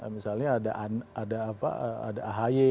misalnya ada ahi